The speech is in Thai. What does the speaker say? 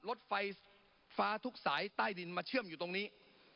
รถไฟฟ้าทุกสายใต้ดินมาเชื่อมอยู่ตรงนี้